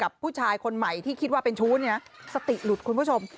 ผู้ชายคนใหม่ที่คิดว่าเป็นชู้เนี่ยสติหลุดคุณผู้ชม